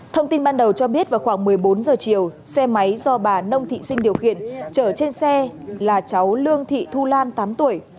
thông tin ban đầu cho biết vào khoảng một mươi bốn giờ chiều xe máy do bà nông thị sinh điều khiển chở trên xe là cháu lương thị thu lan tám tuổi